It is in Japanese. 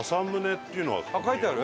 書いてある？